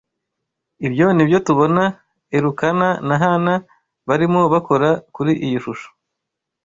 Ibyo ni byo tubona Elukana na Hana barimo bakora kuri iyi shusho